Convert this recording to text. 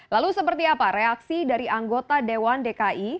lalu seperti apa reaksi dari anggota dewan dki